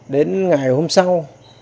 đến ngày hôm sau